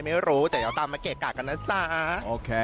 ไม่รู้ก็ตามมาเกอกลับกันนะจ้าโอเค